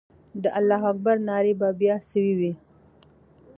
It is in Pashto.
د الله اکبر ناره به بیا سوې وه.